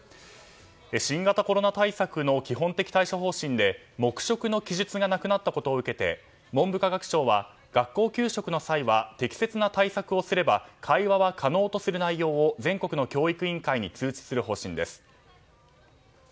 新型コロナ対策の基本的対処方針で黙食の記述がなくなったことを受けて文部科学省は学校給食の際は適切な対策をすれば会話は可能とする内容を全国の教育委員会に通知する方針です。